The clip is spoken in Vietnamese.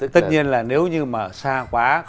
tất nhiên là nếu như mà xa quá